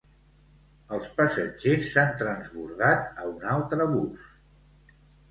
Els passatgers s'han transbordat a un altre bus.